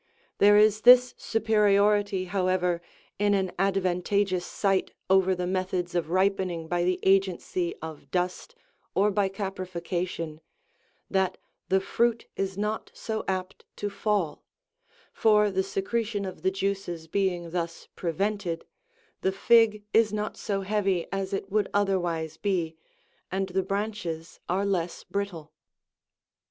There is this superiority, however, in an ad vantageous site over the methods of ripening by the agency of dust or by caprification, that the fruit is not so apt to fall ; for the secretion of the juices being thus prevented, the fig is not so heavy as it would otherwise be, and the branches are less brittle.